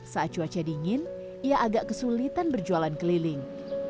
saat cuaca dingin ia agak kesulitan berjualan keliling